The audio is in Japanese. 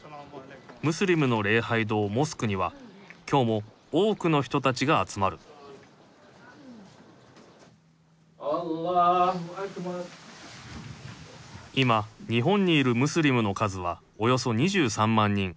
ムスリムの礼拝堂モスクには今日も多くの人たちが集まる今日本にいるムスリムの数はおよそ２３万人。